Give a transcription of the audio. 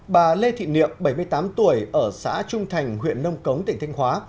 bà lê thị niệm bảy mươi tám tuổi ở xã trung thành huyện nông cống tỉnh thanh hóa